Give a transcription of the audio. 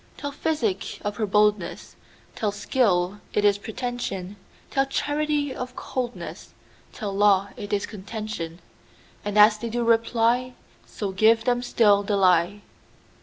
Tell physic of her boldness; Tell skill it is pretension; Tell charity of coldness; Tell law it is contention:And as they do reply, So give them still the lie.